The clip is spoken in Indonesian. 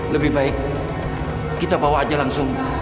lebih baik kita bawa aja langsung